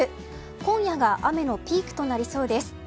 今夜が雨のピークとなりそうです。